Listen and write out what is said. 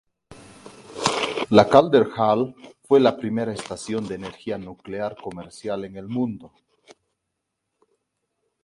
La Calder Hall fue la primera estación de energía nuclear comercial en el mundo.